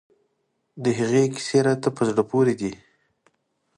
د هغه کیسې راته په زړه پورې دي.